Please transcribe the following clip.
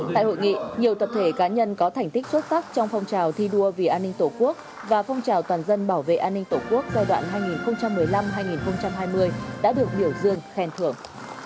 tại hội nghị nhiều tập thể cá nhân có thành tích xuất sắc trong phong trào thi đua vì an ninh tổ quốc và phong trào toàn dân bảo vệ an ninh tổ quốc giai đoạn hai nghìn một mươi năm hai nghìn hai mươi đã được biểu dương khen thưởng